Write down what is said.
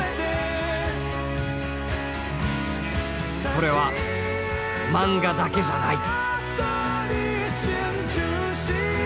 それは漫画だけじゃない。